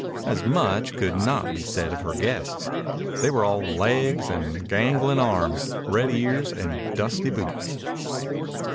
As much could not be said for her guests. They were all legs and gangling arms, red ears and dusty boots.